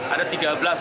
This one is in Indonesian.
ada tiga belas miliar